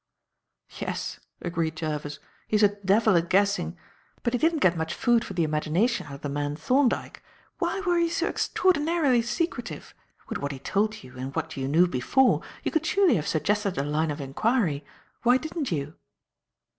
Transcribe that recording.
"Yes," agreed Jervis, "he's a devil at guessing. But he didn't get much food for the imagination out of the man, Thorndyke. Why were you so extraordinarily secretive? With what he told you and what you knew before, you could surely have suggested a line of inquiry. Why didn't you?"